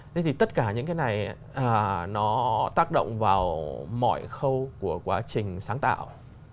thế thì tất cả những cái này nó tác động vào mọi khâu của quá trình sáng tạo